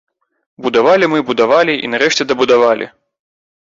Будавалі мы будавалі, і, нарэшце дабудавалі.